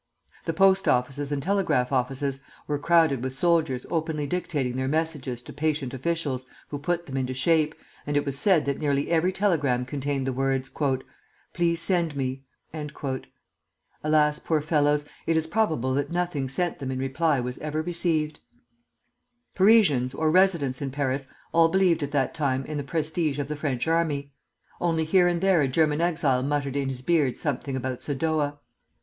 The post offices and telegraph offices were crowded with soldiers openly dictating their messages to patient officials who put them into shape, and it was said that nearly every telegram contained the words, "Please send me..." Alas, poor fellows! it is probable that nothing sent them in reply was ever received. [Footnote 1: I am indebted for much in this chapter to a private journal.] Parisians or residents in Paris all believed at that time in the prestige of the French army; only here and there a German exile muttered in his beard something about Sadowa.